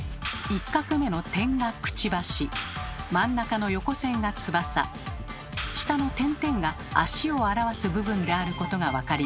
一画目の点がくちばし真ん中の横線が翼下の点々が足を表す部分であることが分かります。